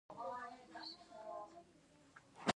زړه نه راباندې سوزي، چې تر مونږ کوم هېوادونه دي چاپېره